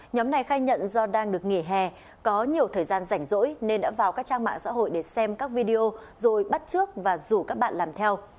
nhóm này khai nhận do đang được nghỉ hè có nhiều thời gian rảnh rỗi nên đã vào các trang mạng xã hội để xem các video rồi bắt trước và rủ các bạn làm theo